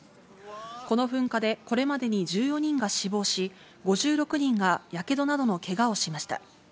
この噴火でこれまでに１４人が死亡し、５６人が火傷などのけがをしました。